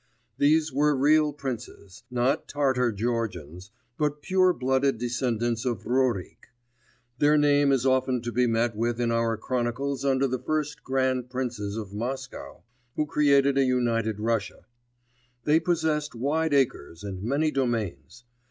These were real princes not Tartar Georgians, but pure blooded descendants of Rurik. Their name is often to be met with in our chronicles under the first grand princes of Moscow, who created a united Russia. They possessed wide acres and many domains.